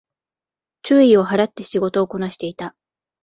注意を払って仕事をこなしていた